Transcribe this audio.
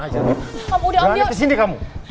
berani kesini kamu